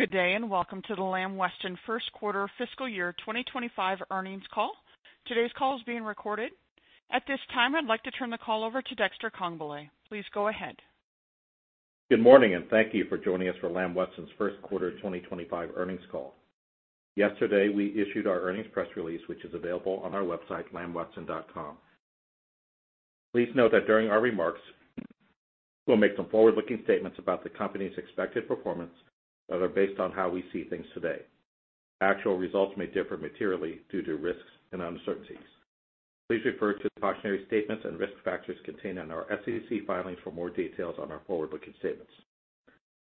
Good day, and welcome to the Lamb Weston First Quarter Fiscal Year 2025 Earnings Call. Today's call is being recorded. At this time, I'd like to turn the call over to Dexter Congbalay. Please go ahead. Good morning, and thank you for joining us for Lamb Weston's First Quarter 2025 Earnings Call. Yesterday, we issued our earnings press release, which is available on our website, lambweston.com. Please note that during our remarks, we'll make some forward-looking statements about the company's expected performance that are based on how we see things today. Actual results may differ materially due to risks and uncertainties. Please refer to the cautionary statements and risk factors contained in our SEC filings for more details on our forward-looking statements.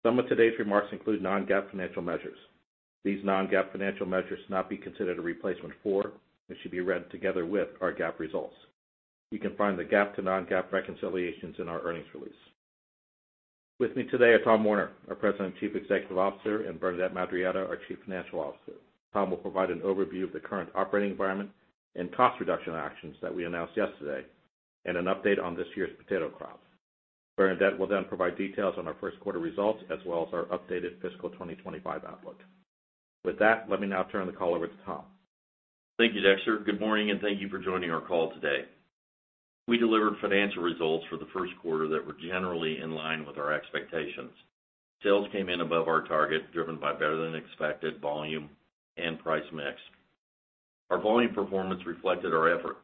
Some of today's remarks include non-GAAP financial measures. These non-GAAP financial measures should not be considered a replacement for and should be read together with our GAAP results. You can find the GAAP to non-GAAP reconciliations in our earnings release. With me today are Tom Werner, our President and Chief Executive Officer, and Bernadette Madarieta, our Chief Financial Officer. Tom will provide an overview of the current operating environment and cost reduction actions that we announced yesterday, and an update on this year's potato crop. Bernadette will then provide details on our first quarter results, as well as our updated fiscal 2025 outlook. With that, let me now turn the call over to Tom. Thank you, Dexter. Good morning, and thank you for joining our call today. We delivered financial results for the first quarter that were generally in line with our expectations. Sales came in above our target, driven by better than expected volume and price mix. Our volume performance reflected our effort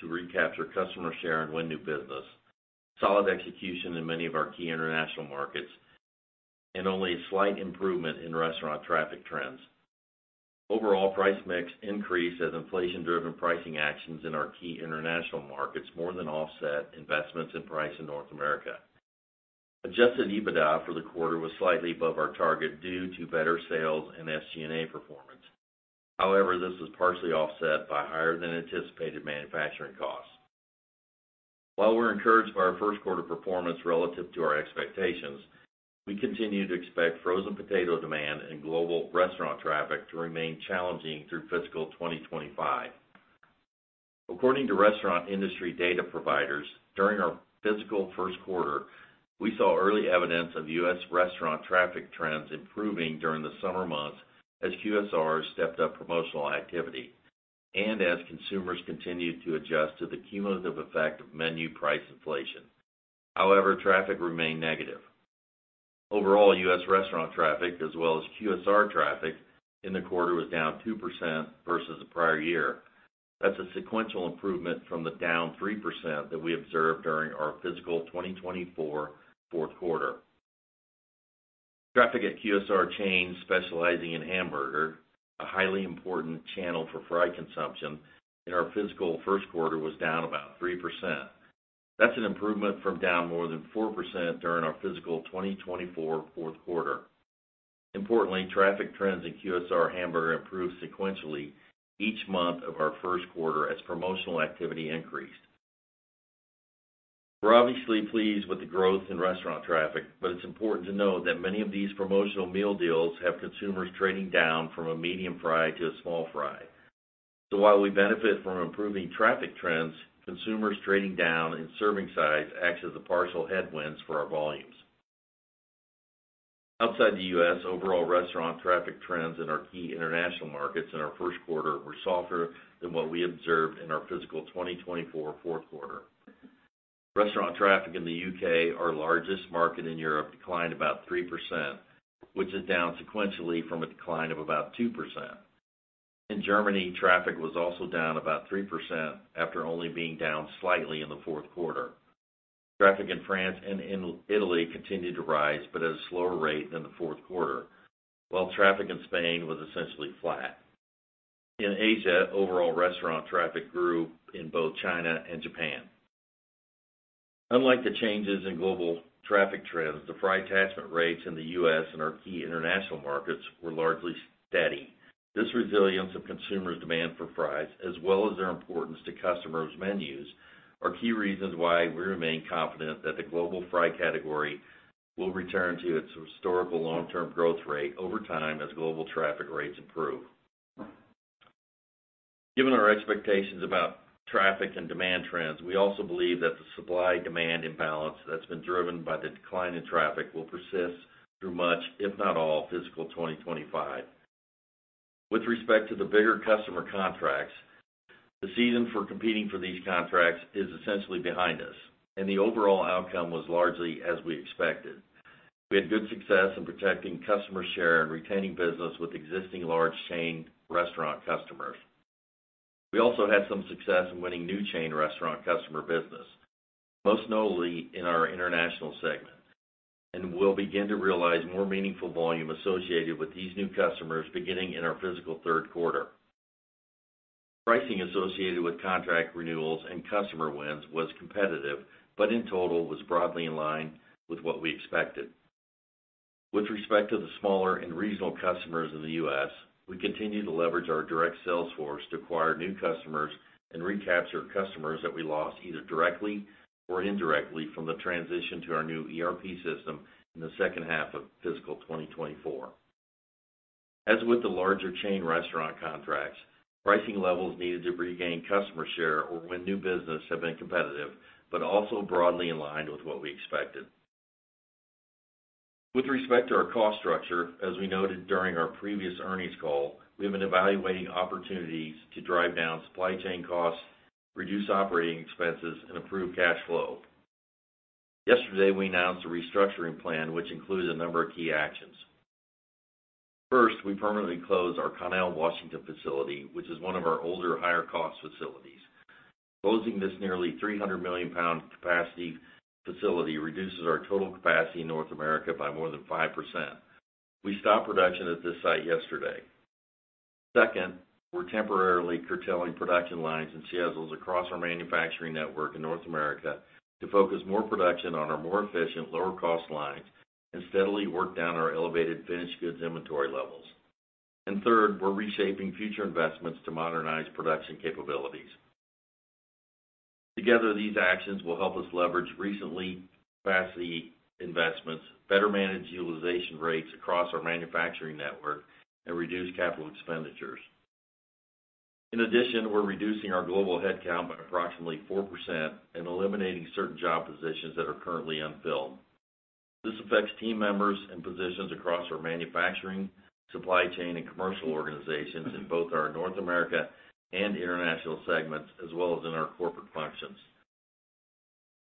to recapture customer share and win new business, solid execution in many of our key international markets, and only a slight improvement in restaurant traffic trends. Overall, price mix increased as inflation-driven pricing actions in our key international markets more than offset investments in price in North America. Adjusted EBITDA for the quarter was slightly above our target due to better sales and SG&A performance. However, this was partially offset by higher than anticipated manufacturing costs. While we're encouraged by our first quarter performance relative to our expectations, we continue to expect frozen potato demand and global restaurant traffic to remain challenging through fiscal 2025. According to restaurant industry data providers, during our fiscal first quarter, we saw early evidence of U.S. restaurant traffic trends improving during the summer months as QSR stepped up promotional activity and as consumers continued to adjust to the cumulative effect of menu price inflation. However, traffic remained negative. Overall, U.S. restaurant traffic, as well as QSR traffic in the quarter, was down 2% versus the prior year. That's a sequential improvement from the down 3% that we observed during our fiscal 2024 fourth quarter. Traffic at QSR chains specializing in hamburger, a highly important channel for fry consumption in our fiscal first quarter, was down about 3%. That's an improvement from down more than 4% during our fiscal 2024 fourth quarter. Importantly, traffic trends in QSR hamburger improved sequentially each month of our first quarter as promotional activity increased. We're obviously pleased with the growth in restaurant traffic, but it's important to note that many of these promotional meal deals have consumers trading down from a medium fry to a small fry. So while we benefit from improving traffic trends, consumers trading down in serving size acts as a partial headwinds for our volumes. Outside the U.S., overall restaurant traffic trends in our key international markets in our first quarter were softer than what we observed in our fiscal 2024 fourth quarter. Restaurant traffic in the U.K., our largest market in Europe, declined about 3%, which is down sequentially from a decline of about 2%. In Germany, traffic was also down about 3% after only being down slightly in the fourth quarter. Traffic in France and in Italy continued to rise, but at a slower rate than the fourth quarter, while traffic in Spain was essentially flat. In Asia, overall restaurant traffic grew in both China and Japan. Unlike the changes in global traffic trends, the fry attachment rates in the U.S. and our key international markets were largely steady. This resilience of consumers' demand for fries, as well as their importance to customers' menus, are key reasons why we remain confident that the global fry category will return to its historical long-term growth rate over time as global traffic rates improve. Given our expectations about traffic and demand trends, we also believe that the supply demand imbalance that's been driven by the decline in traffic will persist through much, if not all, fiscal 2025. With respect to the bigger customer contracts, the season for competing for these contracts is essentially behind us, and the overall outcome was largely as we expected. We had good success in protecting customer share and retaining business with existing large chain restaurant customers. We also had some success in winning new chain restaurant customer business, most notably in our international segment, and we'll begin to realize more meaningful volume associated with these new customers beginning in our fiscal third quarter. Pricing associated with contract renewals and customer wins was competitive, but in total, was broadly in line with what we expected. With respect to the smaller and regional customers in the U.S., we continue to leverage our direct sales force to acquire new customers and recapture customers that we lost either directly or indirectly from the transition to our new ERP system in the second half of fiscal 2024. As with the larger chain restaurant contracts, pricing levels needed to regain customer share or win new business have been competitive, but also broadly in line with what we expected. With respect to our cost structure, as we noted during our previous earnings call, we have been evaluating opportunities to drive down supply chain costs, reduce operating expenses, and improve cash flow. Yesterday, we announced a restructuring plan, which includes a number of key actions. First, we permanently closed our Connell, Washington facility, which is one of our older, higher-cost facilities. Closing this nearly 300 million pound capacity facility reduces our total capacity in North America by more than 5%. We stopped production at this site yesterday. Second, we're temporarily curtailing production lines and schedules across our manufacturing network in North America to focus more production on our more efficient, lower-cost lines and steadily work down our elevated finished goods inventory levels. And third, we're reshaping future investments to modernize production capabilities. Together, these actions will help us leverage recent capacity investments, better manage utilization rates across our manufacturing network, and reduce capital expenditures. In addition, we're reducing our global headcount by approximately 4% and eliminating certain job positions that are currently unfilled. This affects team members and positions across our manufacturing, supply chain, and commercial organizations in both our North America and international segments, as well as in our corporate functions.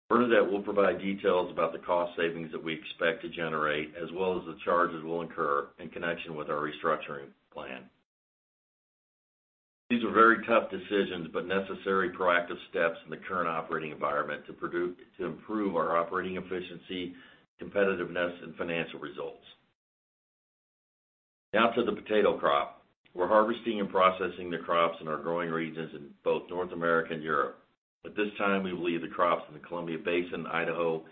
Bernadette will provide details about the cost savings that we expect to generate, as well as the charges we'll incur in connection with our restructuring plan. These are very tough decisions, but necessary proactive steps in the current operating environment to improve our operating efficiency, competitiveness, and financial results. Now to the potato crop. We're harvesting and processing the crops in our growing regions in both North America and Europe. At this time, we believe the crops in the Columbia Basin, Idaho,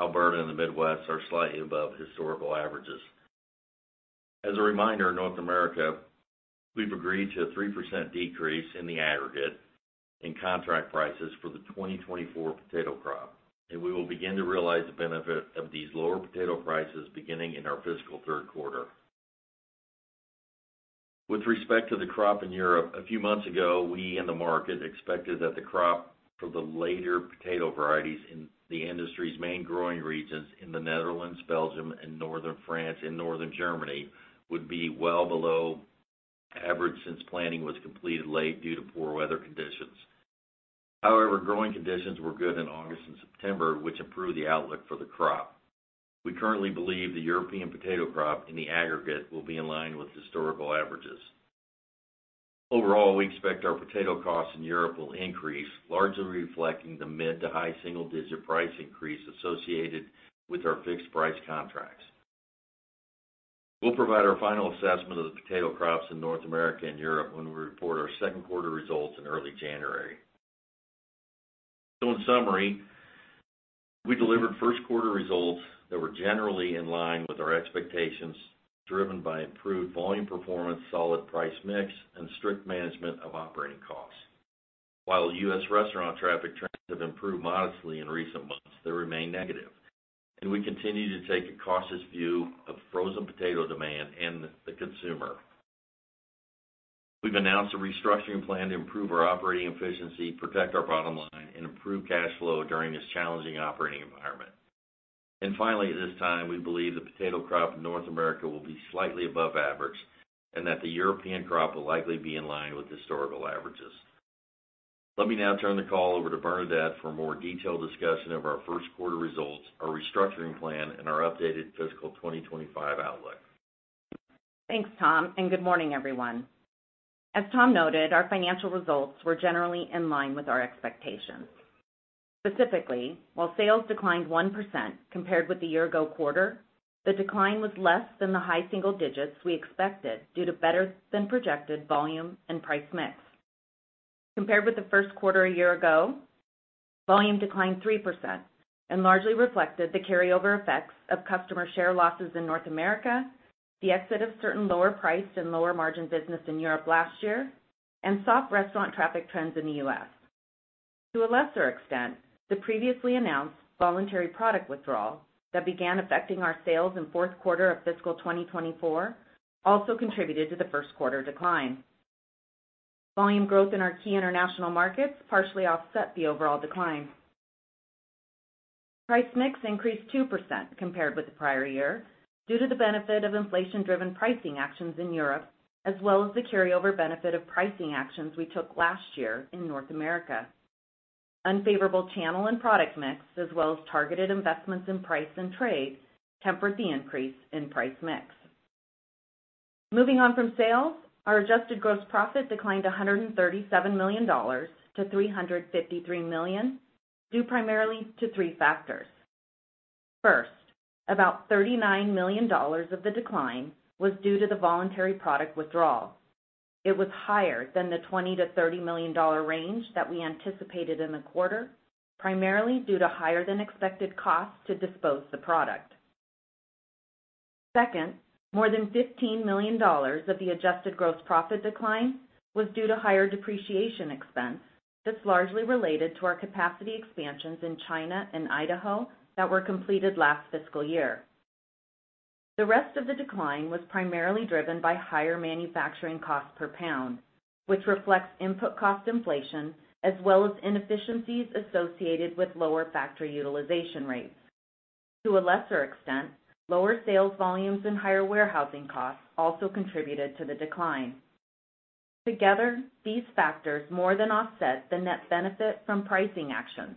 Alberta, and the Midwest are slightly above historical averages. As a reminder, in North America, we've agreed to a 3% decrease in the aggregate in contract prices for the 2024 potato crop, and we will begin to realize the benefit of these lower potato prices beginning in our fiscal third quarter. With respect to the crop in Europe, a few months ago, we in the market expected that the crop for the later potato varieties in the industry's main growing regions in the Netherlands, Belgium, and Northern France and Northern Germany would be well below average since planting was completed late due to poor weather conditions. However, growing conditions were good in August and September, which improved the outlook for the crop. We currently believe the European potato crop, in the aggregate, will be in line with historical averages. Overall, we expect our potato costs in Europe will increase, largely reflecting the mid to high single digit price increase associated with our fixed price contracts. We'll provide our final assessment of the potato crops in North America and Europe when we report our second quarter results in early January. So in summary, we delivered first quarter results that were generally in line with our expectations, driven by improved volume performance, solid price mix, and strict management of operating costs. While U.S. restaurant traffic trends have improved modestly in recent months, they remain negative, and we continue to take a cautious view of frozen potato demand and the consumer. We've announced a restructuring plan to improve our operating efficiency, protect our bottom line, and improve cash flow during this challenging operating environment. And finally, at this time, we believe the potato crop in North America will be slightly above average and that the European crop will likely be in line with historical averages. Let me now turn the call over to Bernadette for a more detailed discussion of our first quarter results, our restructuring plan, and our updated fiscal 2025 outlook. Thanks, Tom, and good morning, everyone. As Tom noted, our financial results were generally in line with our expectations. Specifically, while sales declined 1% compared with the year ago quarter, the decline was less than the high single digits we expected due to better-than-projected volume and price mix. Compared with the first quarter a year ago, volume declined 3% and largely reflected the carryover effects of customer share losses in North America, the exit of certain lower priced and lower margin business in Europe last year, and soft restaurant traffic trends in the U.S. To a lesser extent, the previously announced voluntary product withdrawal that began affecting our sales in fourth quarter of fiscal 2024 also contributed to the first quarter decline. Volume growth in our key international markets partially offset the overall decline. Price mix increased 2% compared with the prior year due to the benefit of inflation-driven pricing actions in Europe, as well as the carryover benefit of pricing actions we took last year in North America. Unfavorable channel and product mix, as well as targeted investments in price and trade, tempered the increase in price mix. Moving on from sales, our adjusted gross profit declined $137 million to $353 million, due primarily to three factors: First, about $39 million of the decline was due to the voluntary product withdrawal. It was higher than the $20 million-$30 million range that we anticipated in the quarter, primarily due to higher-than-expected costs to dispose the product. Second, more than $15 million of the adjusted gross profit decline was due to higher depreciation expense that's largely related to our capacity expansions in China and Idaho that were completed last fiscal year. The rest of the decline was primarily driven by higher manufacturing costs per pound, which reflects input cost inflation, as well as inefficiencies associated with lower factory utilization rates. To a lesser extent, lower sales volumes and higher warehousing costs also contributed to the decline. Together, these factors more than offset the net benefit from pricing actions.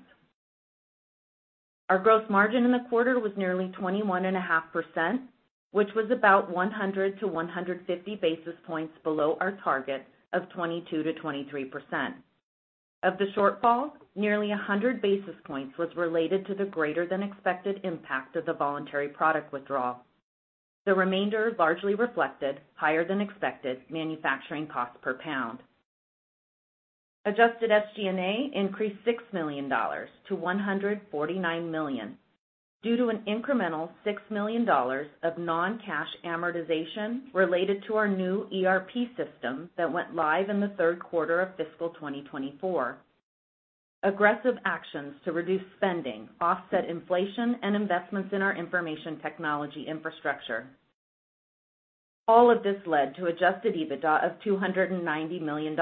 Our gross margin in the quarter was nearly 21.5%, which was about 100 basis points - 150 basis points below our target of 22%-23%. Of the shortfall, nearly 100 basis points was related to the greater than expected impact of the voluntary product withdrawal. The remainder largely reflected higher than expected manufacturing costs per pound. Adjusted SG&A increased $6 million-$149 million, due to an incremental $6 million of non-cash amortization related to our new ERP system that went live in the third quarter of fiscal 2024. Aggressive actions to reduce spending offset inflation and investments in our information technology infrastructure. All of this led to adjusted EBITDA of $290 million.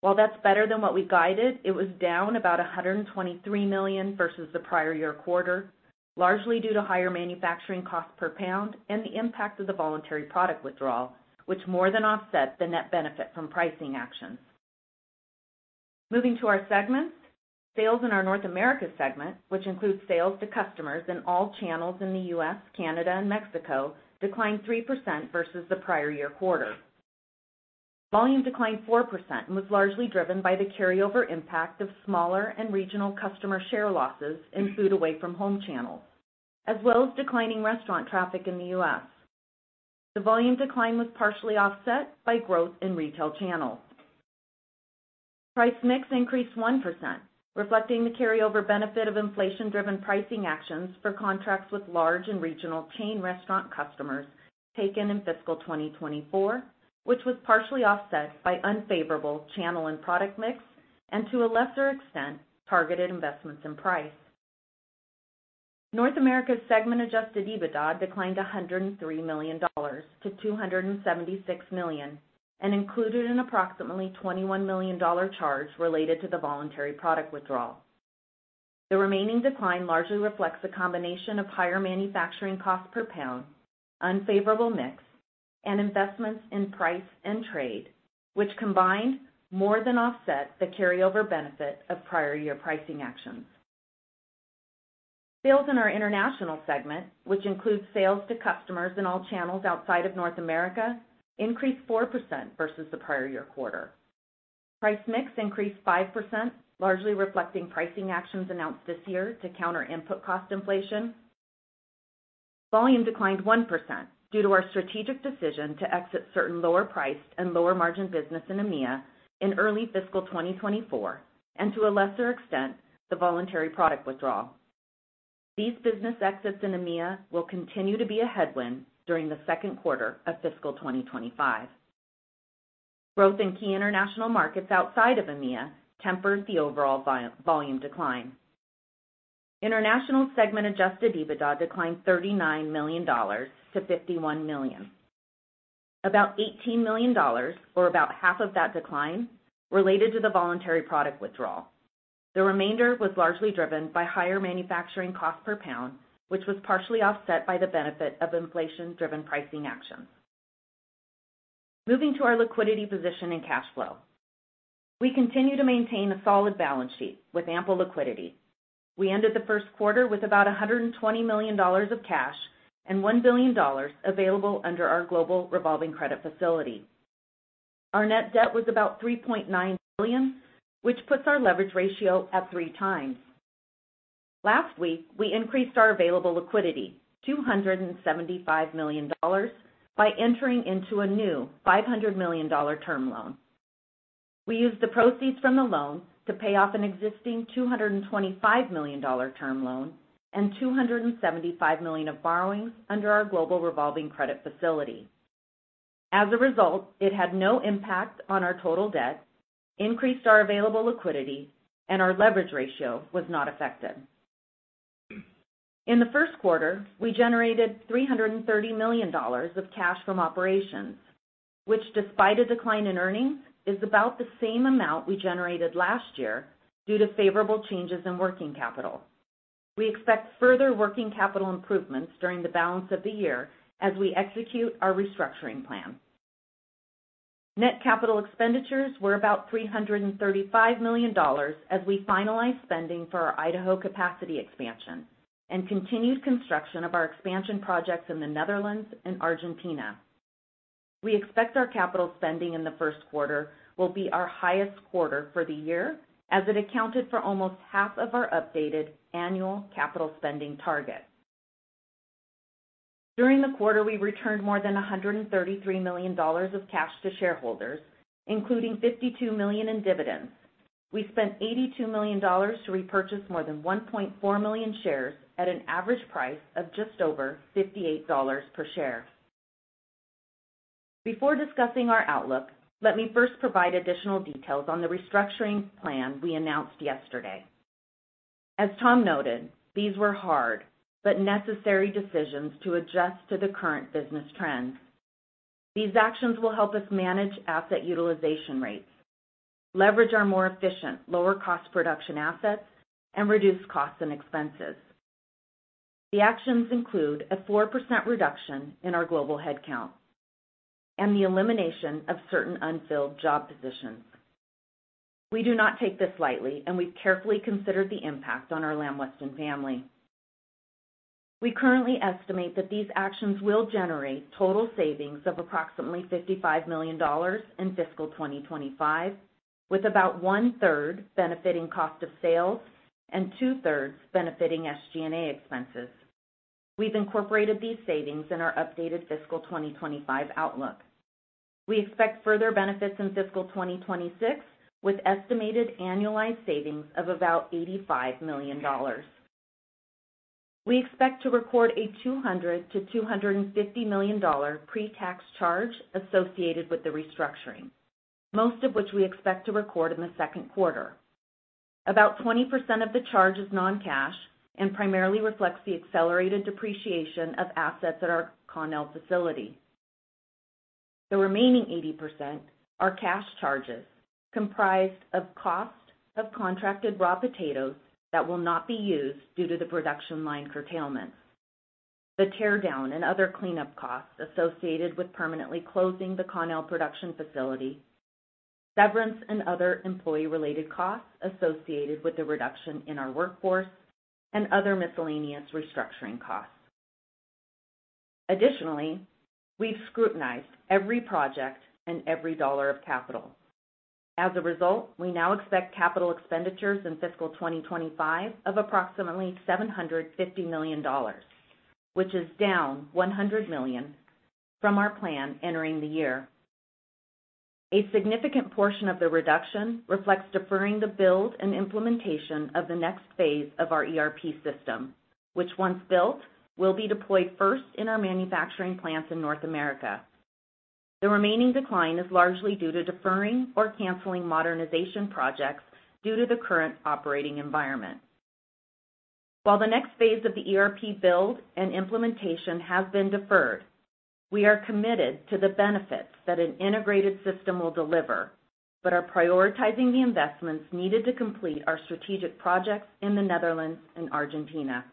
While that's better than what we guided, it was down about $123 million versus the prior year quarter, largely due to higher manufacturing costs per pound and the impact of the voluntary product withdrawal, which more than offset the net benefit from pricing actions. Moving to our segments, sales in our North America segment, which includes sales to customers in all channels in the U.S., Canada, and Mexico, declined 3% versus the prior year quarter. Volume declined 4% and was largely driven by the carryover impact of smaller and regional customer share losses in food away from home channels, as well as declining restaurant traffic in the U.S. The volume decline was partially offset by growth in retail channels. Price mix increased 1%, reflecting the carryover benefit of inflation-driven pricing actions for contracts with large and regional chain restaurant customers taken in fiscal 2024, which was partially offset by unfavorable channel and product mix and, to a lesser extent, targeted investments in price. North America's segment adjusted EBITDA declined $103 million-$276 million and included an approximately $21 million charge related to the voluntary product withdrawal. The remaining decline largely reflects a combination of higher manufacturing costs per pound, unfavorable mix, and investments in price and trade, which combined more than offset the carryover benefit of prior year pricing actions. Sales in our international segment, which includes sales to customers in all channels outside of North America, increased 4% versus the prior year quarter. Price mix increased 5%, largely reflecting pricing actions announced this year to counter input cost inflation. Volume declined 1% due to our strategic decision to exit certain lower priced and lower margin business in EMEA in early fiscal 2024, and to a lesser extent, the voluntary product withdrawal. These business exits in EMEA will continue to be a headwind during the second quarter of fiscal 2025. Growth in key international markets outside of EMEA tempered the overall volume decline. International segment adjusted EBITDA declined $39 million to $51 million. About $18 million, or about half of that decline, related to the voluntary product withdrawal. The remainder was largely driven by higher manufacturing costs per pound, which was partially offset by the benefit of inflation-driven pricing actions. Moving to our liquidity position and cash flow. We continue to maintain a solid balance sheet with ample liquidity. We ended the first quarter with about $120 million of cash and $1 billion available under our global revolving credit facility. Our net debt was about $3.9 billion, which puts our leverage ratio at 3 times. Last week, we increased our available liquidity $275 million by entering into a new $500 million term loan. We used the proceeds from the loan to pay off an existing $225 million term loan and $275 million of borrowings under our global revolving credit facility. As a result, it had no impact on our total debt, increased our available liquidity, and our leverage ratio was not affected. In the first quarter, we generated $330 million of cash from operations, which, despite a decline in earnings, is about the same amount we generated last year due to favorable changes in working capital. We expect further working capital improvements during the balance of the year as we execute our restructuring plan. Net capital expenditures were about $335 million as we finalized spending for our Idaho capacity expansion and continued construction of our expansion projects in the Netherlands and Argentina. We expect our capital spending in the first quarter will be our highest quarter for the year, as it accounted for almost half of our updated annual capital spending target. During the quarter, we returned more than $133 million of cash to shareholders, including $52 million in dividends. We spent $82 million to repurchase more than 1.4 million shares at an average price of just over $58 per share. Before discussing our outlook, let me first provide additional details on the restructuring plan we announced yesterday. As Tom noted, these were hard but necessary decisions to adjust to the current business trends. These actions will help us manage asset utilization rates, leverage our more efficient, lower cost production assets, and reduce costs and expenses. The actions include a 4% reduction in our global headcount and the elimination of certain unfilled job positions. We do not take this lightly, and we've carefully considered the impact on our Lamb Weston family. We currently estimate that these actions will generate total savings of approximately $55 million in fiscal 2025, with about 1/3 benefiting cost of sales and 2/3 benefiting SG&A expenses. We've incorporated these savings in our updated fiscal 2025 outlook. We expect further benefits in fiscal 2026, with estimated annualized savings of about $85 million. We expect to record a $200 million-$250 million pre-tax charge associated with the restructuring, most of which we expect to record in the second quarter. About 20% of the charge is non-cash and primarily reflects the accelerated depreciation of assets at our Connell facility. The remaining 80% are cash charges comprised of cost of contracted raw potatoes that will not be used due to the production line curtailment, the tear down and other cleanup costs associated with permanently closing the Connell production facility, severance and other employee-related costs associated with the reduction in our workforce, and other miscellaneous restructuring costs. Additionally, we've scrutinized every project and every dollar of capital. As a result, we now expect capital expenditures in fiscal 2025 of approximately $750 million, which is down $100 million from our plan entering the year. A significant portion of the reduction reflects deferring the build and implementation of the next phase of our ERP system, which, once built, will be deployed first in our manufacturing plants in North America. The remaining decline is largely due to deferring or canceling modernization projects due to the current operating environment. While the next phase of the ERP build and implementation has been deferred, we are committed to the benefits that an integrated system will deliver, but are prioritizing the investments needed to complete our strategic projects in the Netherlands and Argentina.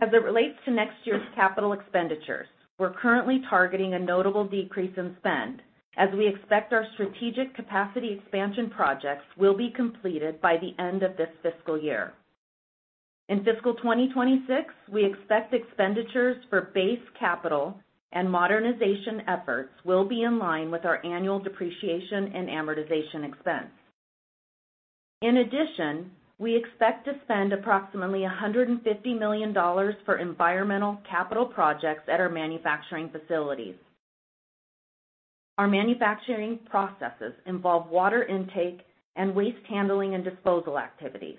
As it relates to next year's capital expenditures, we're currently targeting a notable decrease in spend as we expect our strategic capacity expansion projects will be completed by the end of this fiscal year. In fiscal 2026, we expect expenditures for base capital and modernization efforts will be in line with our annual depreciation and amortization expense. In addition, we expect to spend approximately $150 million for environmental capital projects at our manufacturing facilities. Our manufacturing processes involve water intake and waste handling and disposal activities,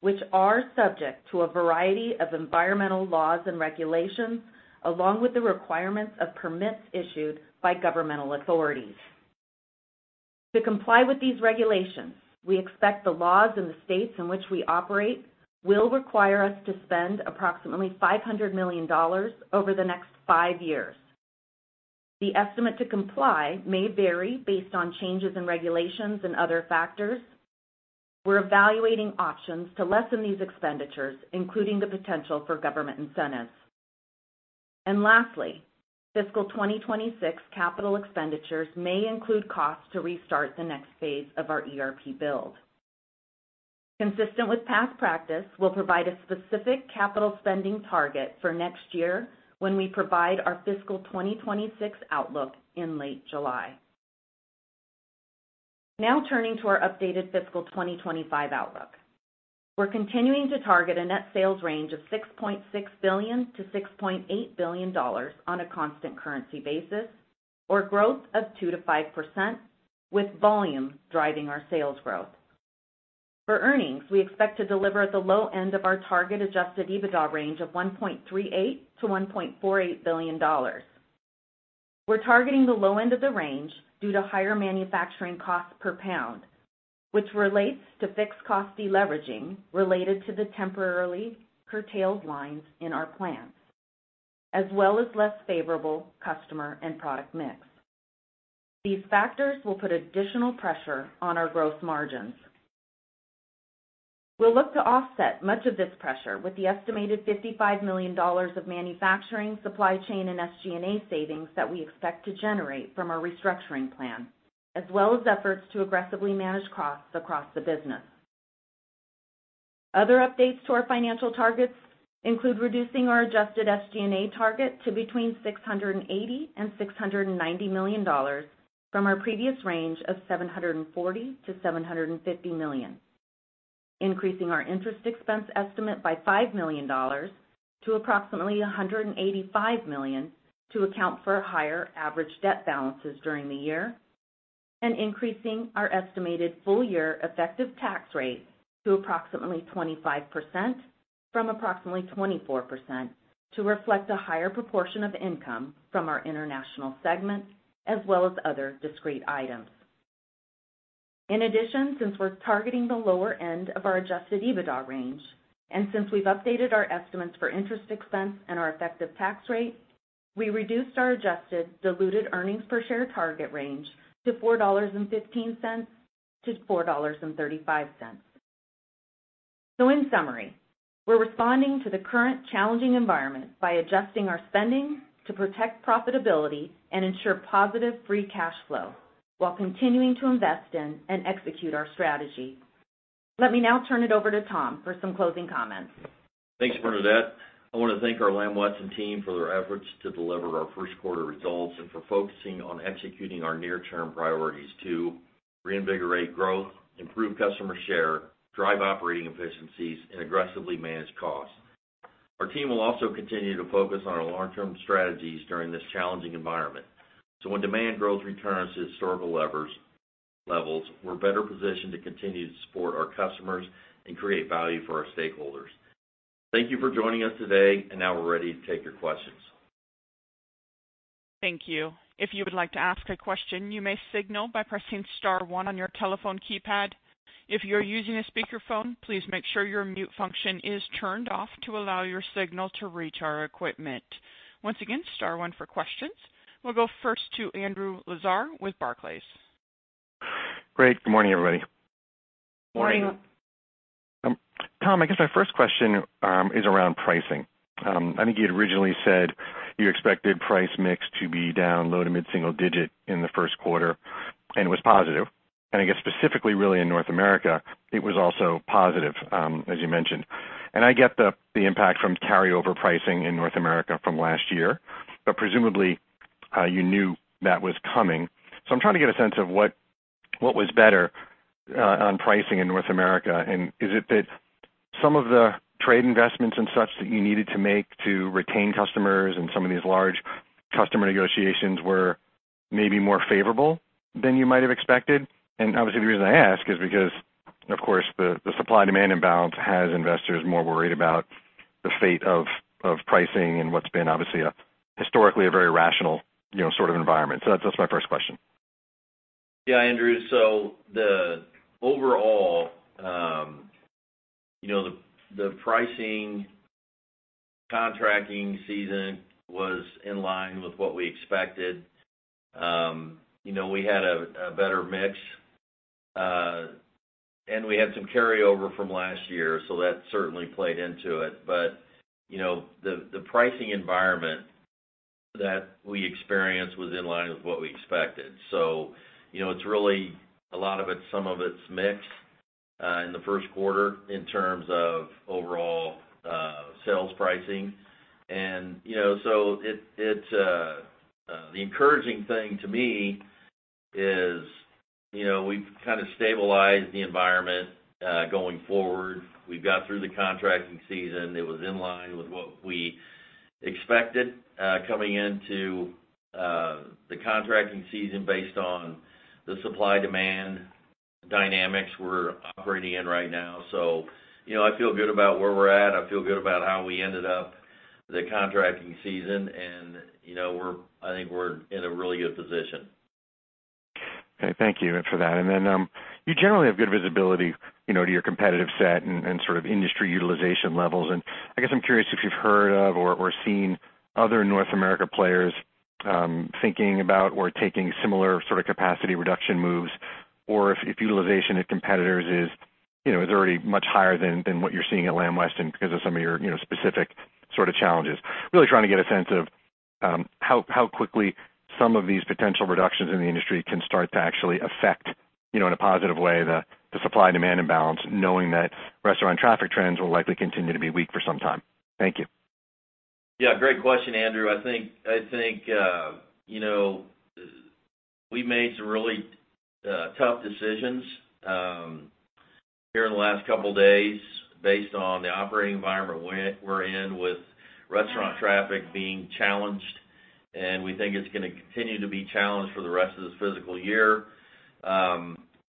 which are subject to a variety of environmental laws and regulations, along with the requirements of permits issued by governmental authorities. To comply with these regulations, we expect the laws in the states in which we operate will require us to spend approximately $500 million over the next five years. The estimate to comply may vary based on changes in regulations and other factors. We're evaluating options to lessen these expenditures, including the potential for government incentives. Lastly, fiscal 2026 capital expenditures may include costs to restart the next phase of our ERP build. Consistent with past practice, we'll provide a specific capital spending target for next year when we provide our fiscal 2026 outlook in late July. Now, turning to our updated fiscal 2025 outlook. We're continuing to target a net sales range of $6.6 billion-$6.8 billion on a constant currency basis, or growth of 2%-5%, with volume driving our sales growth. For earnings, we expect to deliver at the low end of our target Adjusted EBITDA range of $1.38 billion-$1.48 billion. We're targeting the low end of the range due to higher manufacturing costs per pound, which relates to fixed cost deleveraging related to the temporarily curtailed lines in our plants, as well as less favorable customer and product mix. These factors will put additional pressure on our gross margins. We'll look to offset much of this pressure with the estimated $55 million of manufacturing, supply chain, and SG&A savings that we expect to generate from our restructuring plan, as well as efforts to aggressively manage costs across the business. Other updates to our financial targets include reducing our Adjusted SG&A target to between $680 million-$690 million from our previous range of $740 million-$750 million, increasing our interest expense estimate by $5 million to approximately $185 million to account for higher average debt balances during the year, and increasing our estimated full year effective tax rate to approximately 25% from approximately 24%, to reflect a higher proportion of income from our international segment, as well as other discrete items. In addition, since we're targeting the lower end of our Adjusted EBITDA range, and since we've updated our estimates for interest expense and our effective tax rate, we reduced our adjusted diluted earnings per share target range to $4.15-$4.35. So in summary, we're responding to the current challenging environment by adjusting our spending to protect profitability and ensure positive Free Cash Flow, while continuing to invest in and execute our strategy. Let me now turn it over to Tom for some closing comments. Thanks, Bernadette. I want to thank our Lamb Weston team for their efforts to deliver our first quarter results, and for focusing on executing our near-term priorities to reinvigorate growth, improve customer share, drive operating efficiencies, and aggressively manage costs. Our team will also continue to focus on our long-term strategies during this challenging environment. So when demand growth returns to historical levels, we're better positioned to continue to support our customers and create value for our stakeholders. Thank you for joining us today, and now we're ready to take your questions. Thank you. If you would like to ask a question, you may signal by pressing star one on your telephone keypad. If you're using a speakerphone, please make sure your mute function is turned off to allow your signal to reach our equipment. Once again, star one for questions. We'll go first to Andrew Lazar with Barclays. Great. Good morning, everybody. Morning. Morning. Tom, I guess my first question is around pricing. I think you had originally said you expected price mix to be down low- to mid-single-digit in the first quarter, and it was positive. Specifically really in North America, it was also positive, as you mentioned. I get the impact from carryover pricing in North America from last year, but presumably, you knew that was coming. I'm trying to get a sense of what was better on pricing in North America, and is it that some of the trade investments and such that you needed to make to retain customers and some of these large customer negotiations were maybe more favorable than you might have expected? Obviously, the reason I ask is because, of course, the supply-demand imbalance has investors more worried about the fate of pricing and what's been obviously a historically very rational, you know, sort of environment. So that's my first question. Yeah, Andrew, so the overall, you know, the pricing contracting season was in line with what we expected. You know, we had a better mix, and we had some carryover from last year, so that certainly played into it. But, you know, the pricing environment that we experienced was in line with what we expected. So, you know, it's really a lot of it, some of it's mix in the first quarter in terms of overall sales pricing. And, you know, so the encouraging thing to me is, you know, we've kind of stabilized the environment going forward. We've got through the contracting season. It was in line with what we expected coming into the contracting season based on the supply-demand dynamics we're operating in right now. So, you know, I feel good about where we're at. I feel good about how we ended up the contracting season and, you know, we're, I think we're in a really good position. Okay, thank you for that. And then you generally have good visibility, you know, to your competitive set and sort of industry utilization levels. And I guess I'm curious if you've heard of or seen other North America players thinking about or taking similar sort of capacity reduction moves, or if utilization at competitors is, you know, already much higher than what you're seeing at Lamb Weston because of some of your, you know, specific sort of challenges. Really trying to get a sense of how quickly some of these potential reductions in the industry can start to actually affect, you know, in a positive way, the supply-demand imbalance, knowing that restaurant traffic trends will likely continue to be weak for some time. Thank you. Yeah, great question, Andrew. I think you know, we made some really tough decisions here in the last couple days based on the operating environment we're in with restaurant traffic being challenged, and we think it's gonna continue to be challenged for the rest of this fiscal year.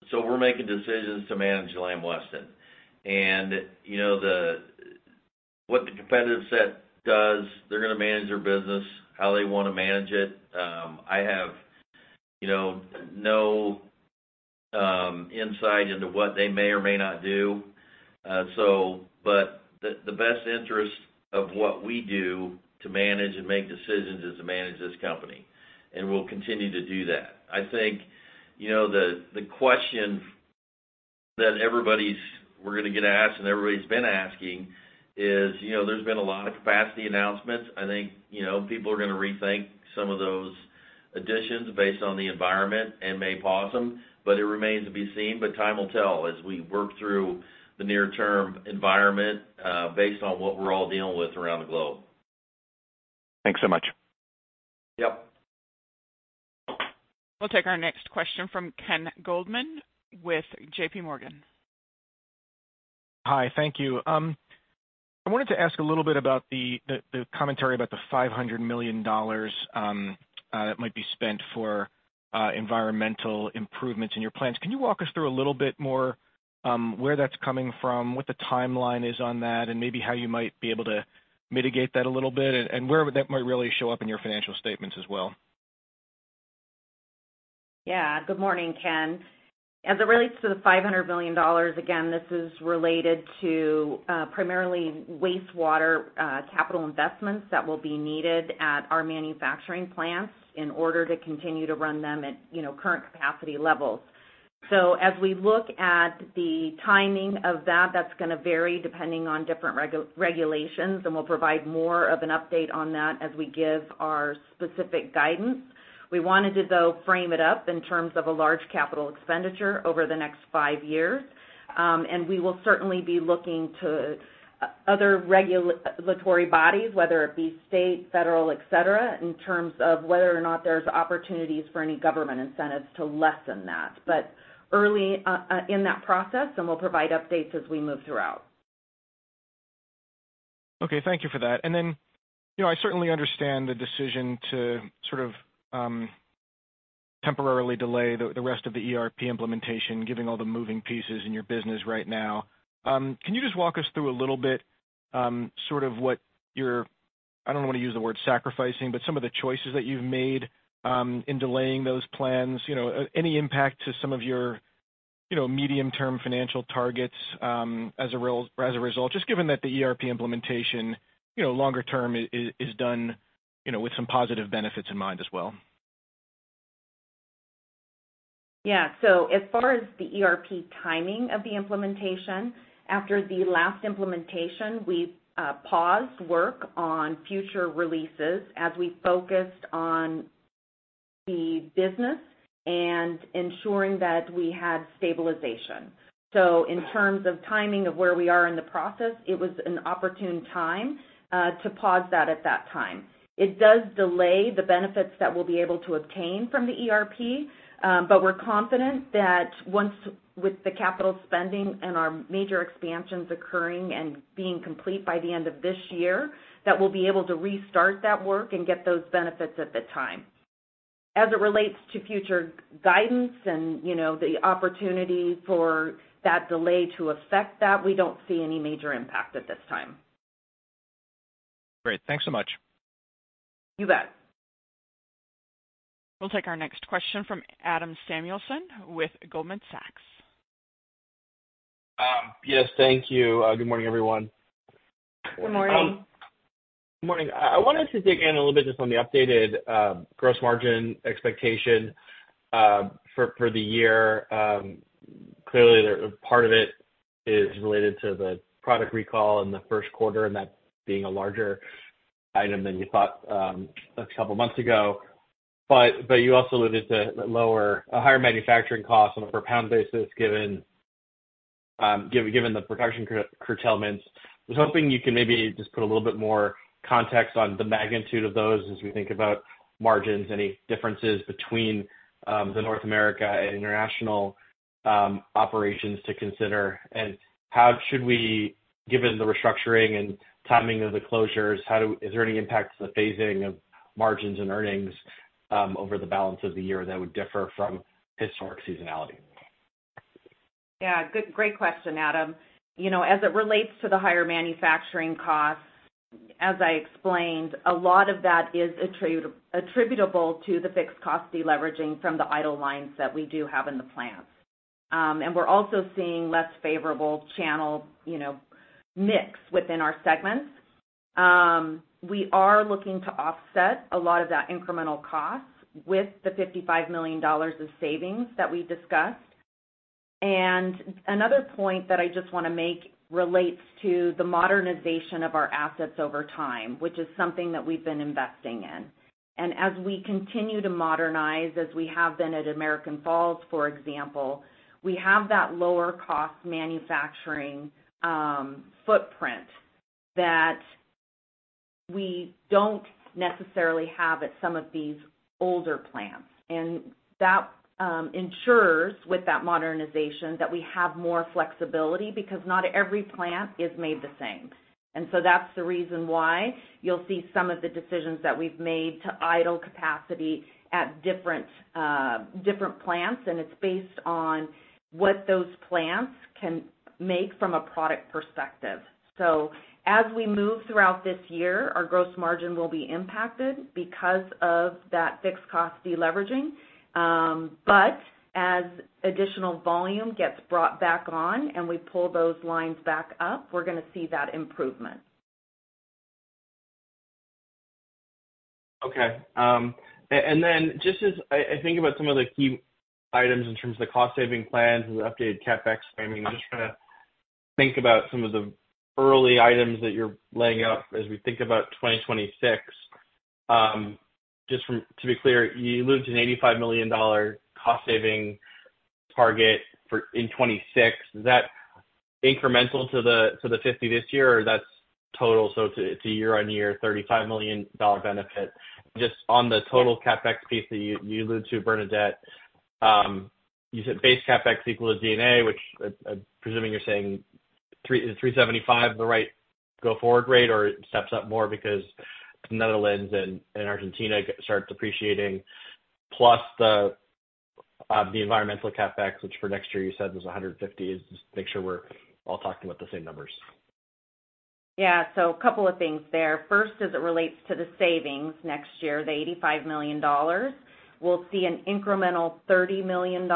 So we're making decisions to manage Lamb Weston. And, you know, what the competitive set does, they're gonna manage their business, how they wanna manage it. I have, you know, no insight into what they may or may not do. So, but the best interest of what we do to manage and make decisions is to manage this company, and we'll continue to do that. I think, you know, the question that everybody's, we're gonna get asked, and everybody's been asking is, you know, there's been a lot of capacity announcements. I think, you know, people are gonna rethink some of those additions based on the environment and may pause them, but it remains to be seen. But time will tell as we work through the near-term environment, based on what we're all dealing with around the globe. Thanks so much. Yep. We'll take our next question from Ken Goldman with JPMorgan. Hi, thank you. I wanted to ask a little bit about the commentary about the $500 million that might be spent for environmental improvements in your plans. Can you walk us through a little bit more where that's coming from, what the timeline is on that, and maybe how you might be able to mitigate that a little bit, and where would that might really show up in your financial statements as well? Yeah. Good morning, Ken. As it relates to the $500 million, again, this is related to primarily wastewater capital investments that will be needed at our manufacturing plants in order to continue to run them at, you know, current capacity levels. So as we look at the timing of that, that's gonna vary depending on different regulations, and we'll provide more of an update on that as we give our specific guidance. We wanted to, though, frame it up in terms of a large capital expenditure over the next five years. And we will certainly be looking to other regulatory bodies, whether it be state, federal, et cetera, in terms of whether or not there's opportunities for any government incentives to lessen that. But early in that process, and we'll provide updates as we move throughout. Okay. Thank you for that, and then, you know, I certainly understand the decision to sort of temporarily delay the rest of the ERP implementation, giving all the moving pieces in your business right now. Can you just walk us through a little bit, sort of what you're. I don't wanna use the word sacrificing, but some of the choices that you've made in delaying those plans, you know, any impact to some of your, you know, medium-term financial targets as a result, just given that the ERP implementation, you know, longer term is done, you know, with some positive benefits in mind as well? Yeah. So as far as the ERP timing of the implementation, after the last implementation, we paused work on future releases as we focused on the business and ensuring that we had stabilization. So in terms of timing of where we are in the process, it was an opportune time to pause that at that time. It does delay the benefits that we'll be able to obtain from the ERP, but we're confident that once with the capital spending and our major expansions occurring and being complete by the end of this year, that we'll be able to restart that work and get those benefits at the time. As it relates to future guidance and, you know, the opportunity for that delay to affect that, we don't see any major impact at this time. Great. Thanks so much. You bet. We'll take our next question from Adam Samuelson with Goldman Sachs. Yes, thank you. Good morning, everyone. Good morning. Good morning. I wanted to dig in a little bit just on the updated gross margin expectation for the year. Clearly, the part of it is related to the product recall in the first quarter, and that being a larger item than you thought a couple of months ago. But you also alluded to higher manufacturing costs on a per pound basis, given the production curtailments. I was hoping you can maybe just put a little bit more context on the magnitude of those as we think about margins, any differences between the North America and international operations to consider. How should we, given the restructuring and timing of the closures, is there any impact to the phasing of margins and earnings over the balance of the year that would differ from historic seasonality? Yeah, good, great question, Adam. You know, as it relates to the higher manufacturing costs, as I explained, a lot of that is attributable to the fixed cost deleveraging from the idle lines that we do have in the plants. And we're also seeing less favorable channel, you know, mix within our segments. We are looking to offset a lot of that incremental costs with the $55 million of savings that we discussed. And another point that I just wanna make relates to the modernization of our assets over time, which is something that we've been investing in. And as we continue to modernize, as we have been at American Falls, for example, we have that lower cost manufacturing footprint that we don't necessarily have at some of these older plants. That ensures with that modernization, that we have more flexibility because not every plant is made the same. So that's the reason why you'll see some of the decisions that we've made to idle capacity at different plants, and it's based on what those plants can make from a product perspective. As we move throughout this year, our gross margin will be impacted because of that fixed cost deleveraging. As additional volume gets brought back on and we pull those lines back up, we're gonna see that improvement. Okay. And then just as I think about some of the key items in terms of the cost saving plans and the updated CapEx framing, I'm just trying to think about some of the early items that you're laying out as we think about 2026. Just to be clear, you alluded to an $85 million cost saving target for 2026. Is that incremental to the $50 this year, or that's total, so it's a year-on-year $35 million benefit. Just on the total CapEx piece that you, you allude to, Bernadette, you said base CapEx equal to D&A, which, I'm presuming you're saying 2026 the right go forward rate, or it steps up more because the Netherlands and Argentina start depreciating, plus the environmental CapEx, which for next year you said was a hundred and fifty, just to make sure we're all talking about the same numbers? Yeah. So a couple of things there. First, as it relates to the savings next year, the $85 million, we'll see an incremental $30 million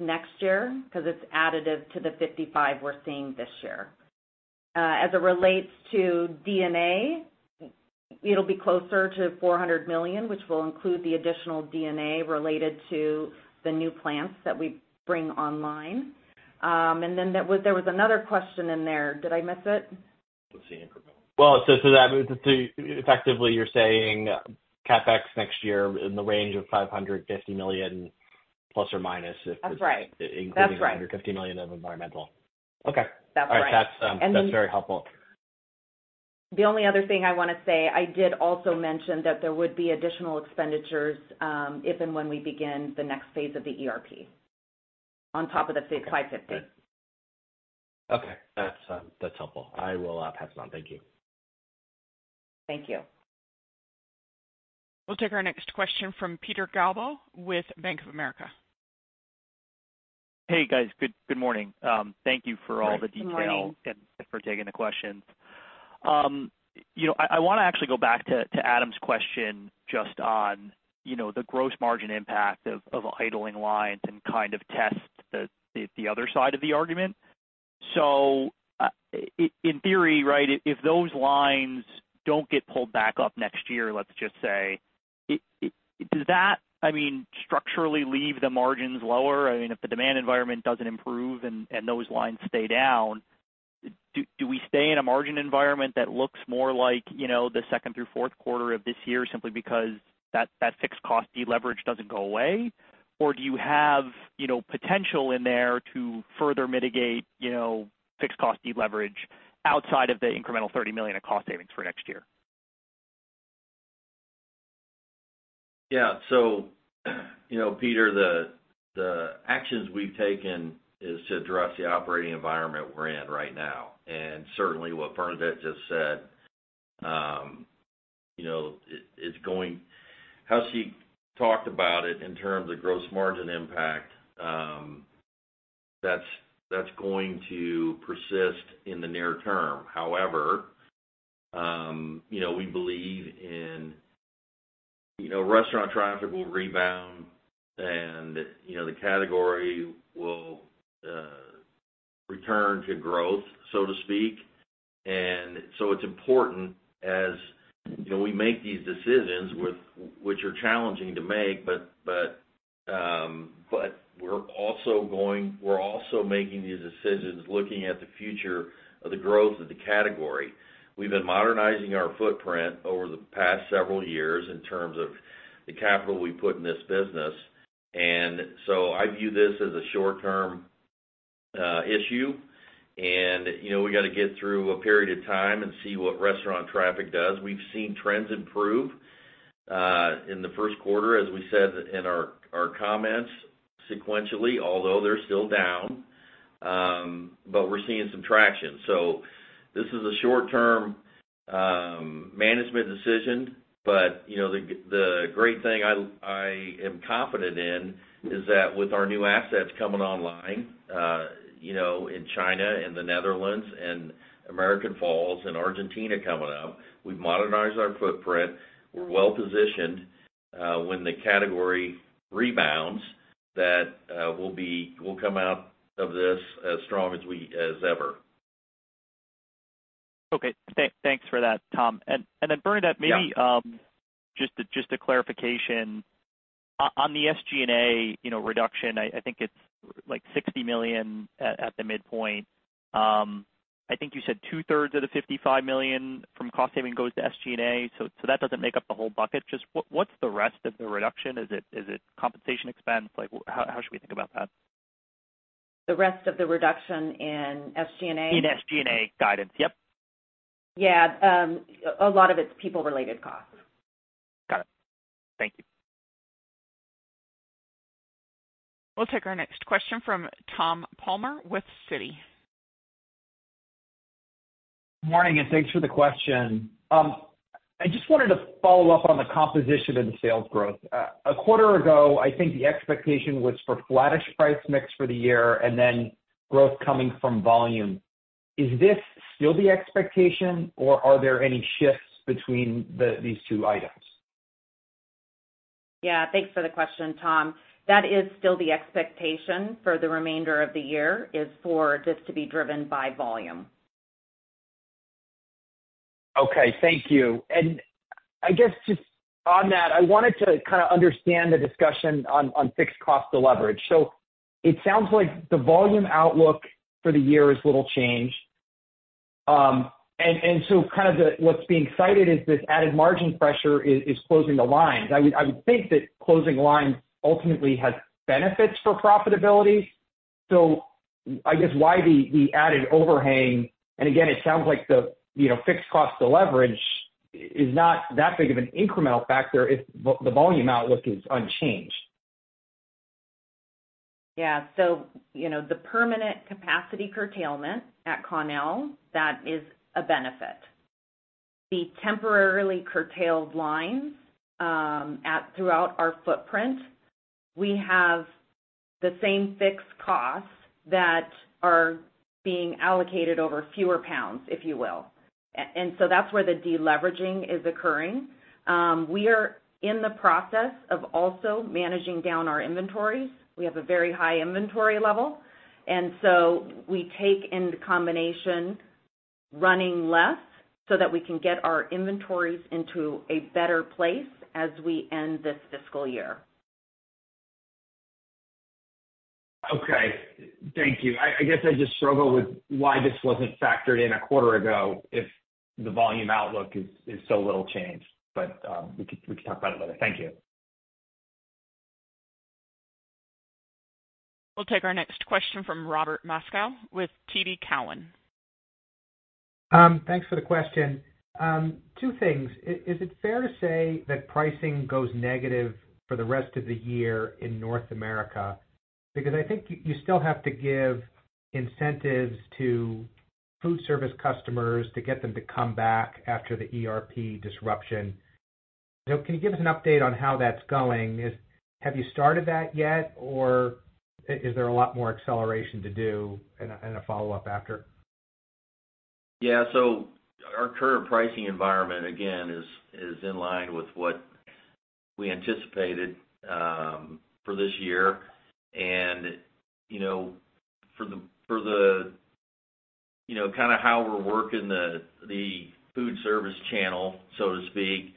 next year because it's additive to the $55 million we're seeing this year. As it relates to D&N, it'll be closer to $400 million, which will include the additional D&N related to the new plants that we bring online. And then there was another question in there. Did I miss it? Effectively, you're saying CapEx next year in the range of $550 million plus or minus if it's, That's right. Including the $150 million of environmental. Okay. That's right. All right. That's very helpful. The only other thing I wanna say, I did also mention that there would be additional expenditures, if and when we begin the next phase of the ERP, on top of the $550 million. Okay. That's helpful. I will pass it on. Thank you. Thank you. We'll take our next question from Peter Galbo, with Bank of America. Hey, guys. Good morning. Thank you for all the detail, Good morning. And for taking the questions. You know, I wanna actually go back to Adam's question just on, you know, the gross margin impact of idling lines and kind of test the other side of the argument. So, in theory, right, if those lines don't get pulled back up next year, let's just say, it does that, I mean, structurally leave the margins lower? I mean, if the demand environment doesn't improve and those lines stay down, do we stay in a margin environment that looks more like, you know, the second through fourth quarter of this year, simply because that fixed cost deleverage doesn't go away? Or do you have, you know, potential in there to further mitigate, you know, fixed cost deleverage outside of the incremental thirty million of cost savings for next year? Yeah. So, you know, Peter, the actions we've taken is to address the operating environment we're in right now. And certainly, what Bernadette just said, you know, it, it's going. How she talked about it in terms of gross margin impact, that's going to persist in the near term. However, you know, we believe in, you know, restaurant traffic will rebound and, you know, the category will return to growth, so to speak. And so it's important as, you know, we make these decisions, with which are challenging to make, but we're also making these decisions looking at the future of the growth of the category. We've been modernizing our footprint over the past several years in terms of the capital we put in this business. And so I view this as a short-term issue. You know, we got to get through a period of time and see what restaurant traffic does. We've seen trends improve in the first quarter, as we said in our comments sequentially, although they're still down, but we're seeing some traction, so this is a short-term management decision, but you know, the great thing I am confident in is that with our new assets coming online, you know, in China and the Netherlands and American Falls and Argentina coming out, we've modernized our footprint. We're well positioned when the category rebounds, that we'll come out of this as strong as we ever. Okay. Thanks for that, Tom. And then Bernadette, Yeah. Maybe, just a clarification. On the SG&A, you know, reduction, I think it's like $60 million at the midpoint. I think you said 2/3 of the $55 million from cost saving goes to SG&A, so that doesn't make up the whole bucket. Just what's the rest of the reduction? Is it compensation expense? Like, how should we think about that? The rest of the reduction in SG&A? In SG&A guidance. Yep. Yeah, a lot of it's people-related costs. Got it. Thank you. We'll take our next question from Tom Palmer with Citi. Morning, and thanks for the question. I just wanted to follow up on the composition of the sales growth. A quarter ago, I think the expectation was for flattish price mix for the year and then growth coming from volume. Is this still the expectation, or are there any shifts between these two items? Yeah, thanks for the question, Tom. That is still the expectation for the remainder of the year, is for this to be driven by volume. Okay, thank you. And I guess just on that, I wanted to kind of understand the discussion on fixed cost deleverage. So it sounds like the volume outlook for the year is little changed. And so kind of what's being cited is this added margin pressure is closing the lines. I would think that closing lines ultimately has benefits for profitability. So I guess why the added overhang? And again, it sounds like the, you know, fixed cost deleverage is not that big of an incremental factor if the volume outlook is unchanged. Yeah. So, you know, the permanent capacity curtailment at Connell, that is a benefit. The temporarily curtailed lines at throughout our footprint, we have the same fixed costs that are being allocated over fewer pounds, if you will. And so that's where the deleveraging is occurring. We are in the process of also managing down our inventories. We have a very high inventory level, and so we take in combination, running less so that we can get our inventories into a better place as we end this fiscal year. Okay, thank you. I guess I just struggle with why this wasn't factored in a quarter ago if the volume outlook is so little changed. But, we could talk about it later. Thank you. We'll take our next question from Robert Moskow with TD Cowen. Thanks for the question. Two things. Is it fair to say that pricing goes negative for the rest of the year in North America? Because I think you still have to give incentives to food service customers to get them to come back after the ERP disruption. So can you give us an update on how that's going? Have you started that yet, or is there a lot more acceleration to do, and a follow-up after? Yeah. So our current pricing environment, again, is in line with what we anticipated for this year. And, you know, for the, you know, kind of how we're working the food service channel, so to speak,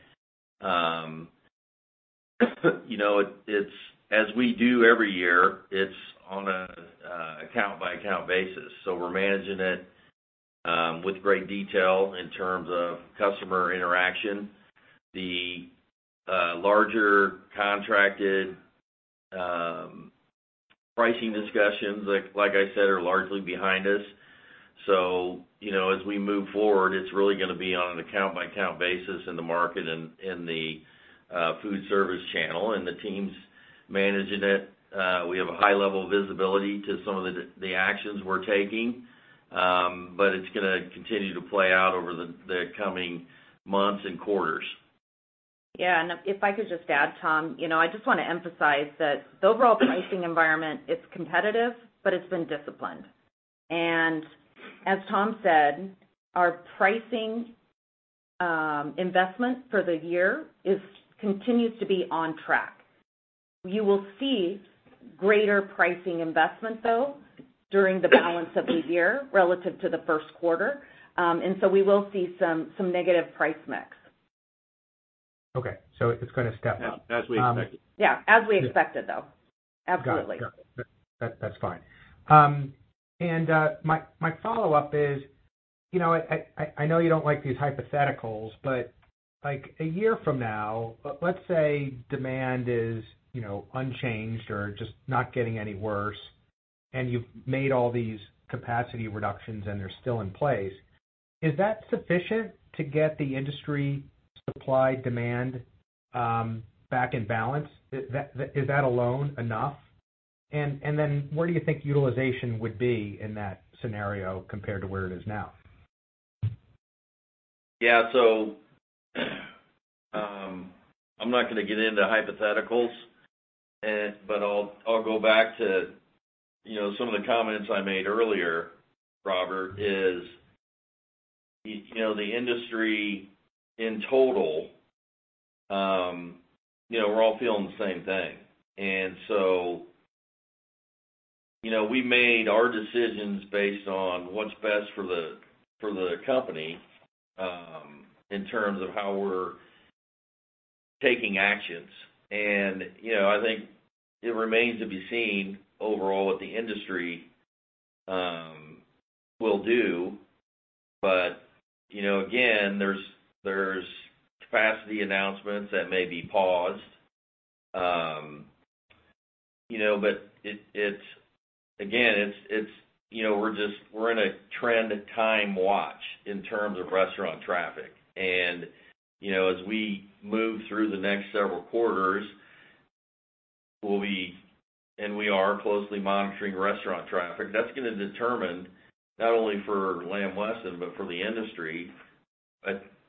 you know, it's as we do every year, it's on a account by account basis. So we're managing it with great detail in terms of customer interaction. The larger contracted pricing discussions like I said are largely behind us. So, you know, as we move forward, it's really gonna be on an account by account basis in the market and in the food service channel, and the team's managing it. We have a high level of visibility to some of the actions we're taking, but it's gonna continue to play out over the coming months and quarters. Yeah, and if I could just add, Tom, you know, I just want to emphasize that the overall pricing environment. It's competitive, but it's been disciplined. And as Tom said, our pricing investment for the year continues to be on track. You will see greater pricing investment, though, during the balance of the year relative to the first quarter. And so we will see some negative price mix. Okay, so it's gonna step out. As we expected. Yeah, as we expected, though. Absolutely. Got it. Got it. That, that's fine. And my follow-up is, you know, I know you don't like these hypotheticals, but, like, a year from now, let's say demand is, you know, unchanged or just not getting any worse, and you've made all these capacity reductions, and they're still in place, is that sufficient to get the industry supply, demand, back in balance? Is that alone enough? And then where do you think utilization would be in that scenario compared to where it is now? Yeah, so, I'm not gonna get into hypotheticals, but I'll go back to, you know, some of the comments I made earlier, Robert. As you know, the industry in total, you know, we're all feeling the same thing. And so, you know, we made our decisions based on what's best for the, for the company, in terms of how we're taking actions. And, you know, I think it remains to be seen overall, what the industry will do. But, you know, again, there's capacity announcements that may be paused. You know, but it's again, it's you know, we're just, we're in a trend time watch in terms of restaurant traffic. And, you know, as we move through the next several quarters, we'll be, and we are closely monitoring restaurant traffic. That's gonna determine not only for Lamb Weston, but for the industry,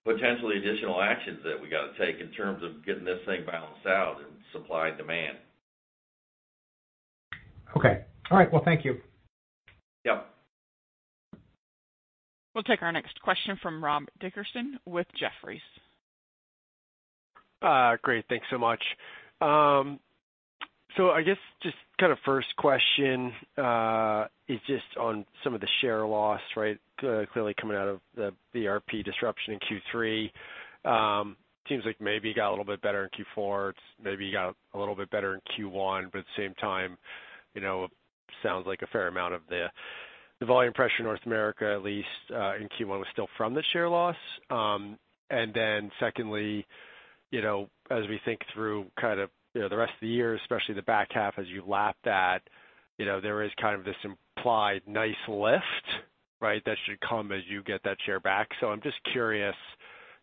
potentially additional actions that we got to take in terms of getting this thing balanced out in supply and demand. Okay. All right, well, thank you. Yep. We'll take our next question from Rob Dickerson with Jefferies. Great, thanks so much. So I guess just kind of first question is just on some of the share loss, right? Clearly coming out of the ERP disruption in Q3. Seems like maybe you got a little bit better in Q4, maybe you got a little bit better in Q1, but at the same time, you know, sounds like a fair amount of the volume pressure in North America, at least, in Q1, was still from the share loss? And then secondly, you know, as we think through kind of, you know, the rest of the year, especially the back half, as you lap that, you know, there is kind of this implied nice lift, right? That should come as you get that share back. So I'm just curious,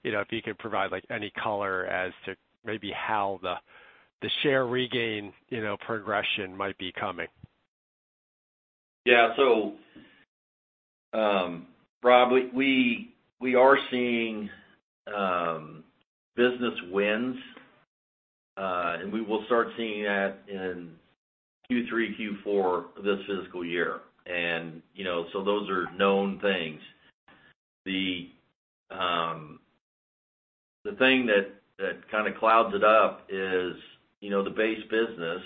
you know, if you could provide, like, any color as to maybe how the share regain, you know, progression might be coming? Yeah. So, Rob, we are seeing business wins, and we will start seeing that in Q3, Q4 of this fiscal year. And, you know, so those are known things. The thing that kind of clouds it up is, you know, the base business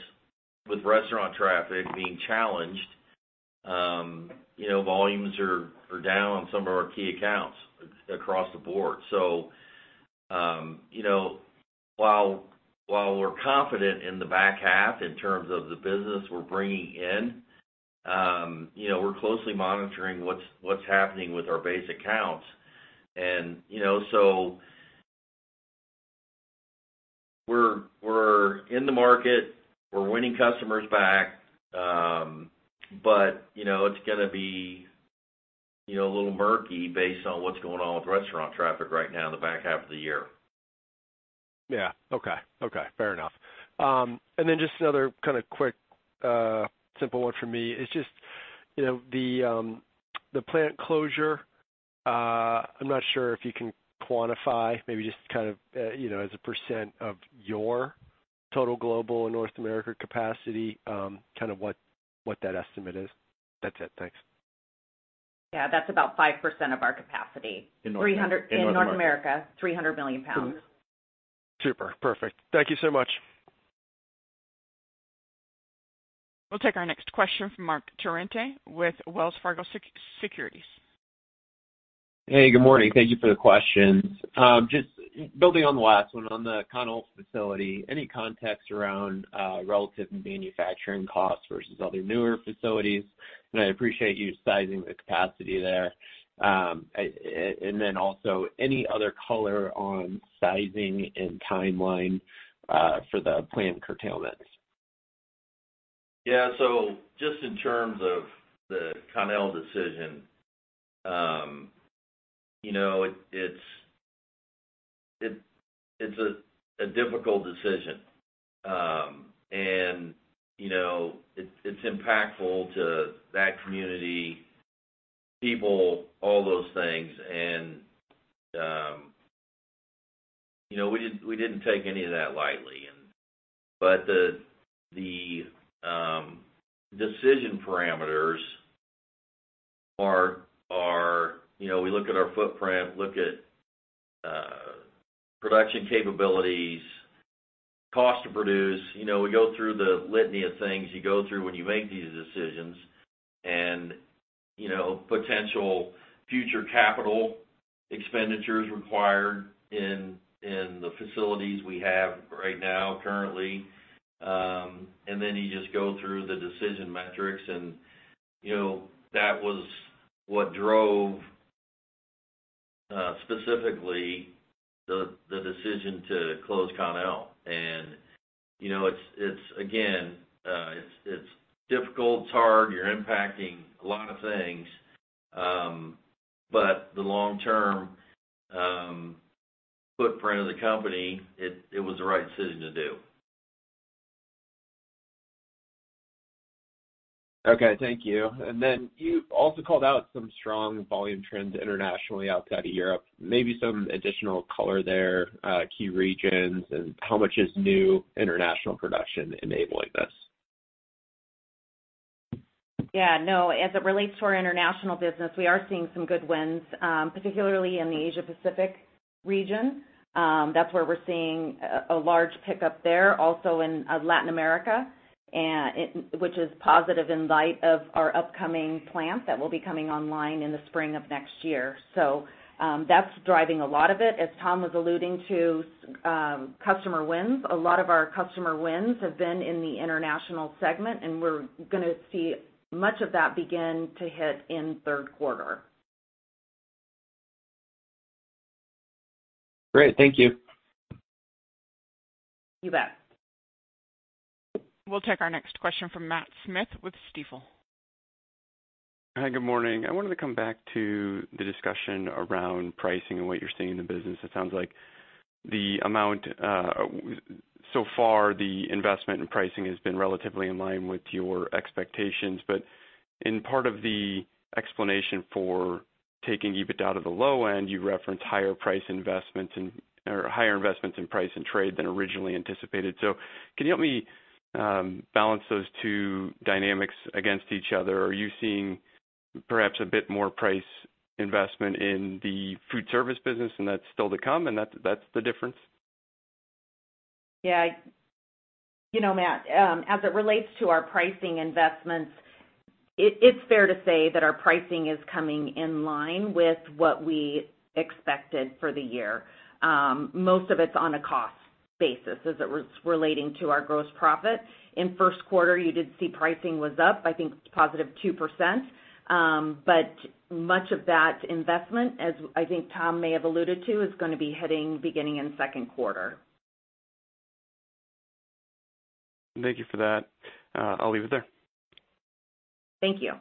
with restaurant traffic being challenged, you know, volumes are down on some of our key accounts across the board. So, you know, while we're confident in the back half in terms of the business we're bringing in, you know, we're closely monitoring what's happening with our base accounts. And, you know, so we're in the market, we're winning customers back, but, you know, it's gonna be a little murky based on what's going on with restaurant traffic right now in the back half of the year. Yeah. Okay, okay. Fair enough. And then just another kind of quick, simple one for me. It's just, you know, the, the plant closure, I'm not sure if you can quantify, maybe just kind of, you know, as a percent of your total global and North America capacity, kind of what, what that estimate is. That's it. Thanks. Yeah, that's about 5% of our capacity. In North America. In North America, 300 million pounds. Super. Perfect. Thank you so much. We'll take our next question from Marc Torrente with Wells Fargo Securities. Hey, good morning. Thank you for the questions. Just building on the last one, on the Connell facility, any context around relative manufacturing costs versus other newer facilities? And I appreciate you sizing the capacity there. And then also, any other color on sizing and timeline for the planned curtailments? Yeah. So just in terms of the Connell decision, you know, it's a difficult decision. And, you know, it's impactful to that community, people, all those things. And, you know, we didn't take any of that lightly. And, but the decision parameters are. You know, we look at our footprint, production capabilities, cost to produce. You know, we go through the litany of things you go through when you make these decisions. And, you know, potential future capital expenditures required in the facilities we have right now, currently. And then you just go through the decision metrics and, you know, that was what drove specifically the decision to close Connell. And, you know, it's, again, it's difficult, it's hard. You're impacting a lot of things, but the long term footprint of the company, it was the right decision to do. Okay. Thank you. And then you also called out some strong volume trends internationally outside of Europe. Maybe some additional color there, key regions, and how much is new international production enabling this? Yeah, no, as it relates to our international business, we are seeing some good wins, particularly in the Asia Pacific region. That's where we're seeing a large pickup there, also in Latin America, and which is positive in light of our upcoming plant that will be coming online in the spring of next year. So, that's driving a lot of it. As Tom was alluding to, customer wins, a lot of our customer wins have been in the international segment, and we're gonna see much of that begin to hit in third quarter. Great. Thank you. You bet. We'll take our next question from Matt Smith with Stifel. Hi, good morning. I wanted to come back to the discussion around pricing and what you're seeing in the business. It sounds like the amount, so far, the investment in pricing has been relatively in line with your expectations. But in part of the explanation for taking EBITDA to the low end, you referenced higher price investments and, or higher investments in price and trade than originally anticipated. So can you help me balance those two dynamics against each other? Are you seeing perhaps a bit more price investment in the food service business, and that's still to come, and that's the difference? Yeah. You know, Matt, as it relates to our pricing investments, it's fair to say that our pricing is coming in line with what we expected for the year. Most of it's on a cost basis as it was relating to our gross profit. In first quarter, you did see pricing was up, I think, positive 2%. But much of that investment, as I think Tom may have alluded to, is going to be hitting beginning in second quarter. Thank you for that. I'll leave it there. Thank you.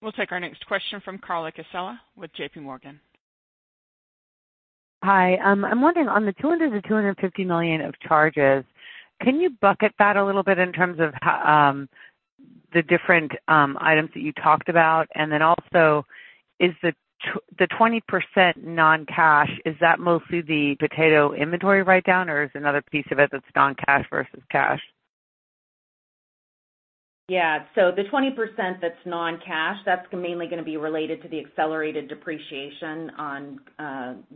We'll take our next question from Carla Casella with J.P. Morgan. Hi, I'm wondering, on the $200 million-$250 million of charges, can you bucket that a little bit in terms of how the different items that you talked about? And then also, is the 20% non-cash, is that mostly the potato inventory write-down, or is another piece of it that's non-cash versus cash? Yeah. So the 20% that's non-cash, that's mainly gonna be related to the accelerated depreciation on,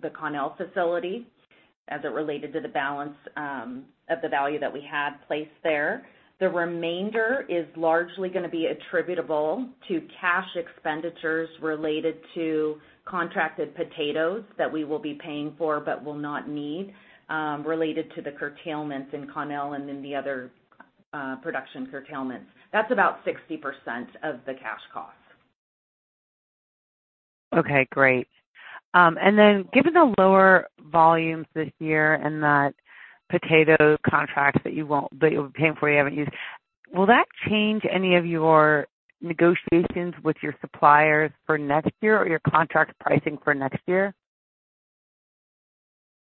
the Connell facility as it related to the balance, of the value that we had placed there. The remainder is largely gonna be attributable to cash expenditures related to contracted potatoes that we will be paying for, but will not need, related to the curtailments in Connell and in the other, production curtailments. That's about 60% of the cash costs. Okay, great, and then given the lower volumes this year and the potato contracts that you'll be paying for but you haven't used, will that change any of your negotiations with your suppliers for next year or your contract pricing for next year?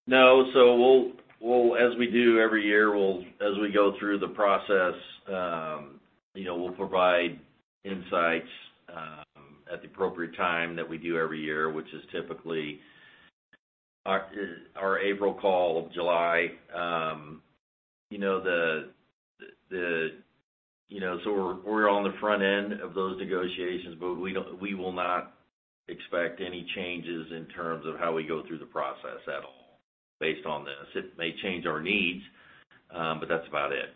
No. So we'll, as we do every year, we'll, as we go through the process, you know, we'll provide insights, at the appropriate time that we do every year, which is typically our April call or July. You know, so we're on the front end of those negotiations, but we will not expect any changes in terms of how we go through the process at all, based on this. It may change our needs, but that's about it.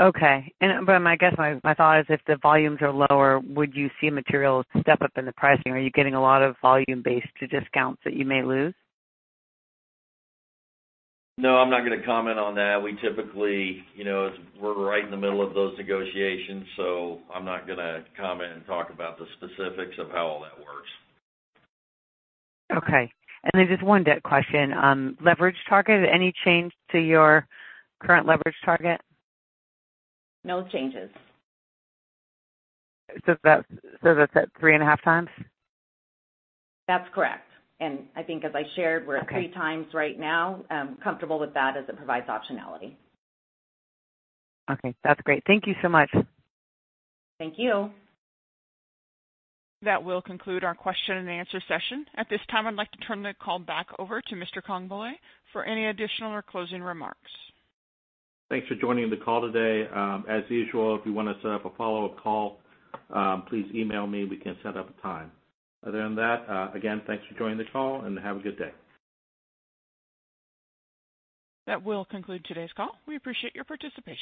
Okay. But my guess, my thought is if the volumes are lower, would you see a material step up in the pricing? Are you getting a lot of volume-based discounts that you may lose? No, I'm not gonna comment on that. We typically, you know, we're right in the middle of those negotiations, so I'm not gonna comment and talk about the specifics of how all that works. Okay. And then just one debt question. Leverage target, any change to your current leverage target? No changes. So that's at three and a half times? That's correct. And I think as I shared, Okay. We're at three times right now. Comfortable with that as it provides optionality. Okay, that's great. Thank you so much. Thank you. That will conclude our question and answer session. At this time, I'd like to turn the call back over to Mr. Congbalay for any additional or closing remarks. Thanks for joining the call today. As usual, if you want to set up a follow-up call, please email me, we can set up a time. Other than that, again, thanks for joining the call, and have a good day. That will conclude today's call. We appreciate your participation.